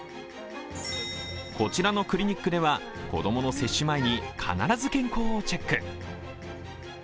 こちらのクリニックでは、子供の接種前に必ず健康をチェック。